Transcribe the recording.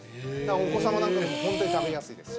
お子様なんかもホントに食べやすいですし。